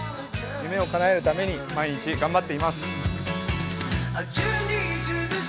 夢をかなえるために毎日頑張っています。